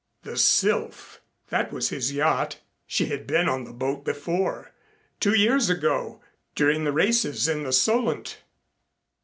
The Sylph, that was his yacht. She had been on the boat before, two years ago, during the races in the Solent.